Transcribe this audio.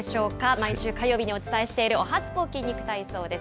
毎週火曜日にお伝えしている、おはＳＰＯ筋肉体操です。